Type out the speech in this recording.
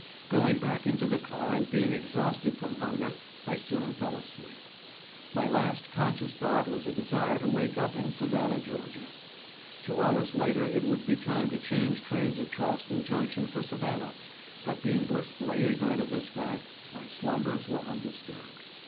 Going back into the car, and being exhausted from hunger, I soon fell asleep. My last conscious thought was a desire to wake up in Savannah, Ga. Two hours later it would be time to change trains at Charleston Junction for Savannah, but being blissfully ignorant of this fact, my slumbers were undisturbed.